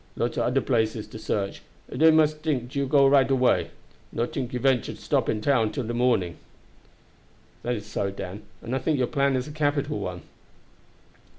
Lots of oder places to search, and dey most sure to tink you go right away not tink you venture to stop in town till the morning." "That is so, Dan; and I think your plan is a capital one."